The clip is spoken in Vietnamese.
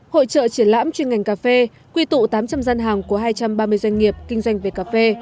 hội trợ triển lãm chuyên ngành cà phê quy tụ tám trăm linh gian hàng của hai trăm ba mươi doanh nghiệp kinh doanh về cà phê